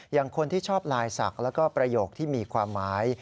อย่างคนที่ชอบลายศักดิ์แล้วก็ประโยคที่มีความหมาย